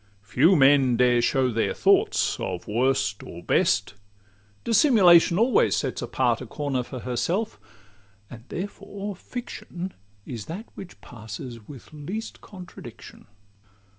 Few men dare show their thoughts of worst or best; Dissimulation always sets apart A corner for herself; and therefore fiction Is that which passes with least contradiction.